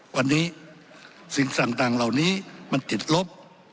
วันนี้สิ่งต่างเหล่านี้มันติดลบ